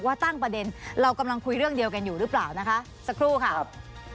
ตั้งประเด็นเรากำลังคุยเรื่องเดียวกันอยู่หรือเปล่านะคะสักครู่ค่ะครับ